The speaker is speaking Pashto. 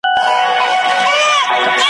په کمال وه جوړه سوې ډېره کلکه ,